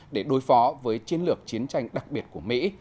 để đối phó với chiến lược chiến tranh đặc biệt của mỹ